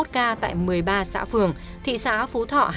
một trăm bốn mươi một ca tại một mươi ba xã phường thị xã phú thọ hai mươi một